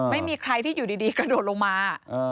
ไม่มีใครที่อยู่ดีกระโดดลงมา